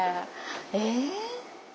え。